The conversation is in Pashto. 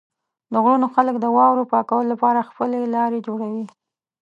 د غرونو خلک د واورو پاکولو لپاره خپل لارې جوړوي.